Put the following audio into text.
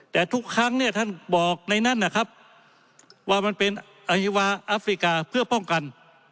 แต่ทุกครั้งเนี่ยท่านบอกในนั้นนะครับว่ามันเป็นอฮิวาอัฟริกาเพื่อป้องกัน